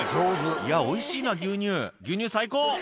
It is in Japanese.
「いやおいしいな牛乳牛乳最高」